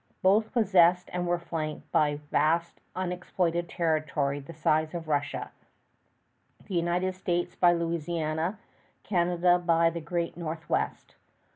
Both possessed and were flanked by vast unexploited territory the size of Russia; the United States by a Louisiana, Canada by the Great Northwest.